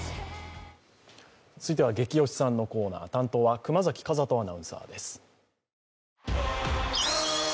続いては「ゲキ推しさん」のコーナー、担当は熊崎風斗アナウンサーです。